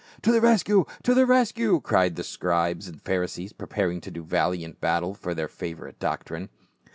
" To the rescue ! To the rescue !" cried the Scribes and Pharisees, preparing to do valiant battle for their favorite doctrine.